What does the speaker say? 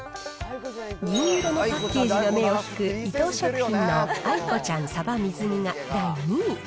銀色のパッケージが目を引く、伊藤食品のあいこちゃん鯖水煮が第２位。